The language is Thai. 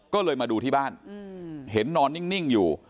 ก็เลยมาดูที่บ้านเห็นนอนนิ่งอยู่